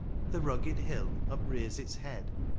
The rugged hill uprears its head.